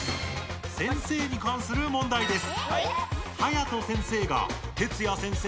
先生にかんする問題です。